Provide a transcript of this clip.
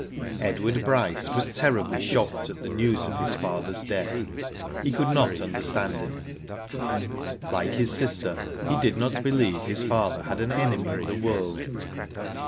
Edward Bryce was terribly shocked at the news of his father's death. He could not understand it. ' Like his sister, he did not believe his father had an enemy in the world.